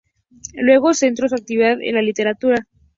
Luego, centró su actividad en la literatura.